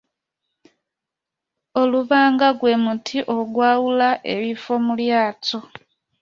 Olubanga gwe muti ogwawula ebifo mu lyato.